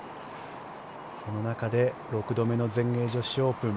その中で６度目の全英女子オープン。